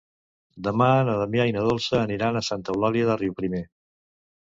Demà na Damià i na Dolça aniran a Santa Eulàlia de Riuprimer.